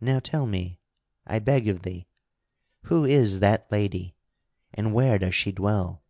Now tell me, I beg of thee, who is that lady and where does she dwell?"